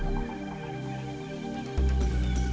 pulau dengan sebutan benua etam ini